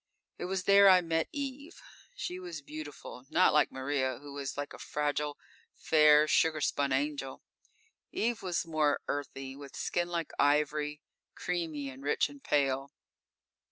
_ _It was there I met Eve. She was beautiful. Not like Maria, who is like a fragile, fair, spun sugar angel. Eve was more earthy, with skin like ivory, creamy and rich and pale.